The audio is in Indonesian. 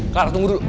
clara tunggu dulu